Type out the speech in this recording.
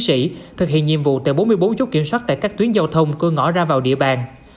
sĩ thực hiện nhiệm vụ tại bốn mươi bốn chốt kiểm soát tại các tuyến giao thông cơ ngõ ra vào địa bàn